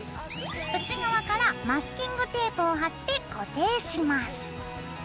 内側からマスキングテープを貼って固定します。